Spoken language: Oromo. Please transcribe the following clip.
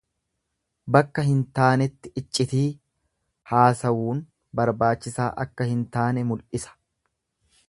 Bakka hin taanetti iccitii haasawuun barbaachisaa akka hin taane mul'isa.